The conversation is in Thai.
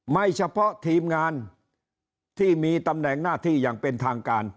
ไม่เฉพาะทีมงานที่มีตำแหน่งหน้าที่อย่างเป็นทางการ